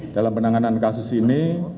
dalam penanganan kasus ini